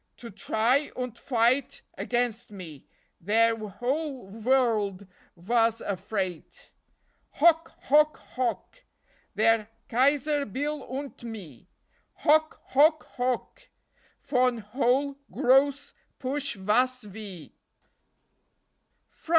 To try unt fight against me Der whole vorld vas afrait. Hock! Hock! Hock! Der Kaiser Bill unt me! Hock! Hock! Hock! Von whole gross push vas ve